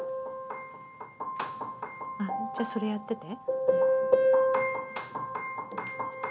じゃあそれやってて。